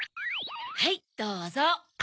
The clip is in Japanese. はいどうぞ。